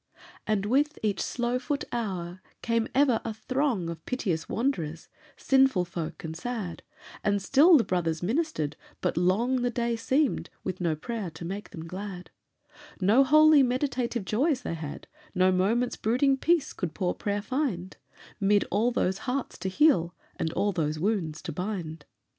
And, with each slow foot hour, came ever a throng Of piteous wanderers, sinful folk and sad, And still the brothers ministered, but long The day seemed, with no prayer to make them glad; No holy, meditative joys they had, No moment's brooding place could poor prayer find, Mid all those heart to heal and all those wounds to bind.